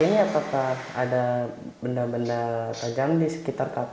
kayaknya apa kak ada benda benda tajam di sekitar kakak